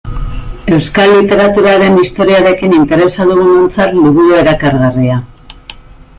Euskal literaturaren historiarekin interesa dugunontzat liburu erakargarria.